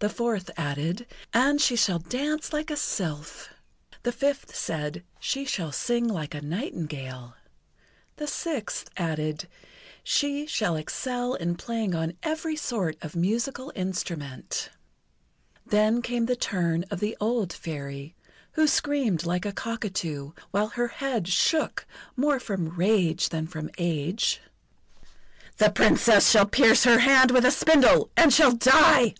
The fourth added: "And she shall dance like a sylph." The fifth said: "She shall sing like a nightingale." The sixth added: "She shall excel in playing on every sort of musical instrument." Then came the turn of the old Fairy, who screamed like a cockatoo, while her head shook more from rage than from age: "The Princess shall pierce her hand with a spindle, and shall die!"